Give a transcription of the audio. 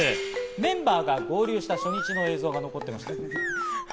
メンバーが合流した初日の映像が残っていました。